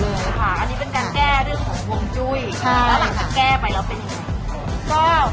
อันนี้เป็นการแก้เรื่องของฮวงจุ้ยแล้วหลังจากแก้ไปแล้วเป็นยังไง